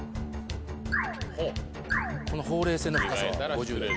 このほうれい線の深さは５０代。